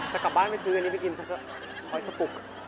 จะกลับบ้านไปซื้ออันนี้ไม่กินเพราะมันค่อยสะปุก